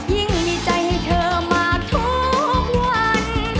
ยิ่งมีใจให้เธอมากทุกวัน